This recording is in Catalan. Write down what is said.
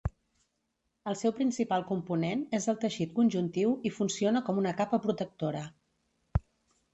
El seu principal component és el teixit conjuntiu i funciona com una capa protectora.